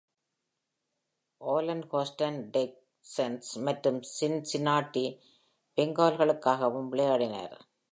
Alan Houston Texans மற்றும் Cincinnati பெங்கால்களுக்காகவும் விளையாடினார்.